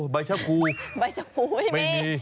ใบชะพูไม่มี